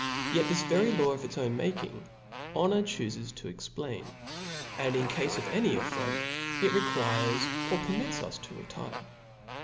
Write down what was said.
Yet this very law of its own making, honor chufcs to explain ; and in cafe of any :ifFront, it requires or permits us to retire.